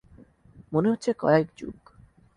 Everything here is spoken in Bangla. মনে হচ্ছে কয়েক যুগ।